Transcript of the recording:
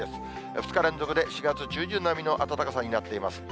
２日連続で４月中旬並みの暖かさになっています。